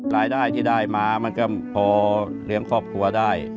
รายได้ที่ได้มามันก็พอเลี้ยงครอบครัวได้